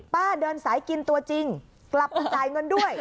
เดินสายกินตัวจริงกลับมาจ่ายเงินด้วย